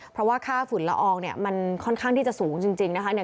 เพราะว่าค่าฝุ่นละอองเนี่ยมันค่อนข้างที่จะสูงจริงนะคะ